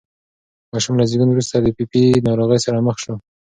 ماشوم له زېږون وروسته د پي پي پي ناروغۍ سره مخ شو.